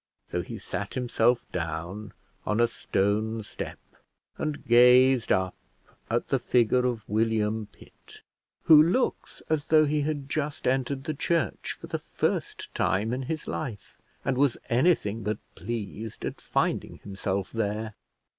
so he sat himself down on a stone step, and gazed up at the figure of William Pitt, who looks as though he had just entered the church for the first time in his life and was anything but pleased at finding himself there.